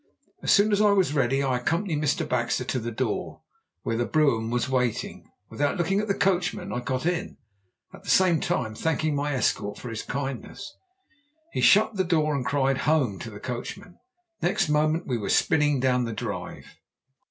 As soon as I was ready I accompanied Mr. Baxter to the door, where the brougham was waiting. Without looking at the coachman I got in, at the same time thanking my escort for his kindness. He shut the door and cried 'Home' to the coachman. Next moment we were spinning down the drive.